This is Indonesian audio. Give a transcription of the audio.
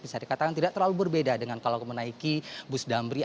bisa dikatakan tidak terlalu berbeda dengan kalau menaiki bus dambri